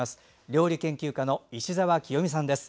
料理研究家の石澤清美さんです。